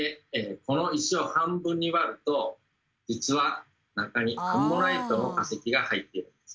この石を半分に割ると実は中にアンモナイトの化石が入っています。